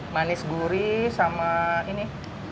manis gurih sama ini